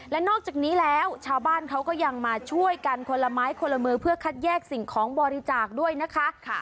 และนอกจากนี้แล้วชาวบ้านเขาก็ยังมาช่วยกันคนละไม้คนละมือเพื่อคัดแยกสิ่งของบริจาคด้วยนะคะ